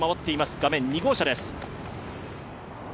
画面は２号車です。